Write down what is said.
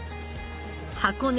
箱根